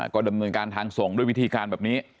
ก็ดำเนินการทางส่งด้วยวิธีการแบบนี้